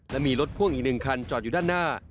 และมีรถพ่วงอีก๑คันจอดอยู่ด้านหน้า